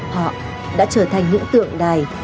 họ đã trở thành những tượng đài